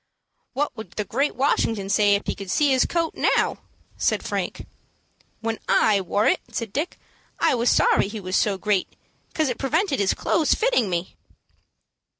"What would the great Washington say if he could see his coat now?" said Frank. "When I wore it," said Dick, "I was sorry he was so great, 'cause it prevented his clothes fitting me."